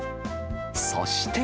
そして。